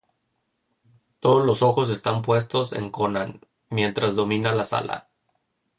Todos los ojos están puestos en Conan, mientras domina la sala.